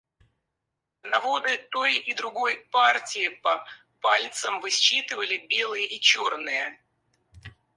Коноводы той и другой партии по пальцам высчитывали белые и черные.